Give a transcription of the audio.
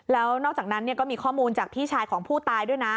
แล้วนอกจากนั้นก็มีข้อมูลจากพี่ชายของผู้ตายด้วยนะ